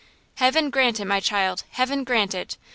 "Heaven grant it, my child! Heaven grant it!